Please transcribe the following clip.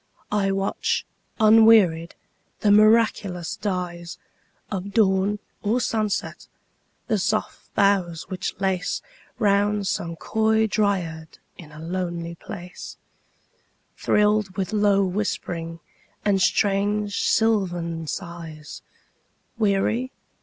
I watch, unwearied, the miraculous dyesOf dawn or sunset; the soft boughs which laceRound some coy dryad in a lonely place, Thrilled with low whispering and strange sylvan sighs:Weary?